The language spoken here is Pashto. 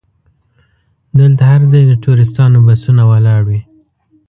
دلته هر ځای د ټوریستانو بسونه ولاړ وي.